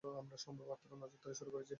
আমরা সবেমাত্র নজরদারি শুরু করেছি।